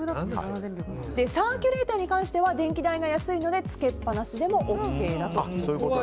サーキュレーターに関しては電気代が安いのでつけっぱなしでもＯＫだと。